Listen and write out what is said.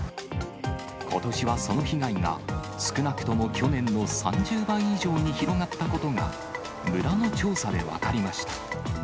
ことしはその被害が少なくとも去年の３０倍以上に広がったことが、村の調査で分かりました。